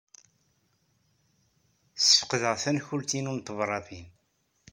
Sfeqdeɣ tankult-inu n tebṛatin.